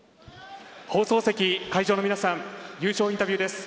放送席、会場の皆さん優勝インタビューです。